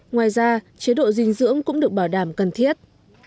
ngoài ra chế độ dinh dưỡng cũng được bảo đảm cần thiết